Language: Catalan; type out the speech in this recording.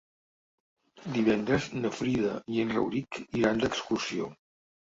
Divendres na Frida i en Rauric iran d'excursió.